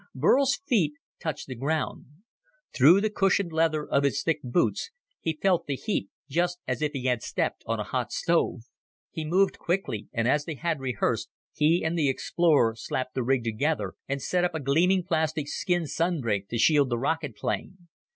Burl's feet touched the ground; through the cushioned leather of his thick boots he felt the heat just as if he had stepped on a hot stove. He moved quickly, and as they had rehearsed, he and the explorer slapped the rig together and set up a gleaming plastic skin sunbreak to shield the rocket plane.